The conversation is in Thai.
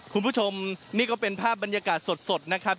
คุณผู้ชมนี่ก็เป็นภาพบรรยากาศสดนะครับ